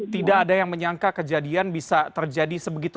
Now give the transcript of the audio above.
tidak ada yang menyangka kejadian bisa terjadi seperti itu